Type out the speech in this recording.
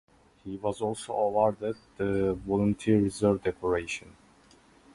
He was also awarded the Volunteer Reserve Decoration.